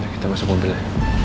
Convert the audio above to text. kita masuk mobil ya